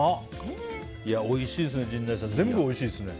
おいしいですね、陣内さん全部おいしいですね。